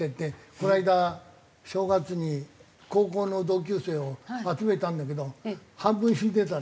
この間正月に高校の同級生を集めたんだけど半分死んでたね。